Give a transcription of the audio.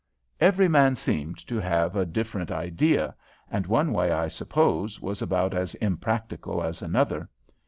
Every man seemed to have a different idea and one way I suppose was about as impracticable as another.